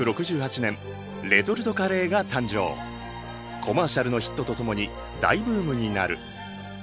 コマーシャルのヒットとともに大ブームになる。